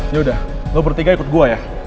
yaudah lo bertiga ikut gue ya